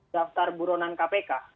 delapan daftar buronan kpk